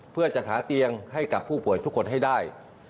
เพื่อจัดหาเตียงให้กับผู้ป่วยทุกคนให้ได้